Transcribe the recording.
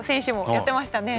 やってましたね。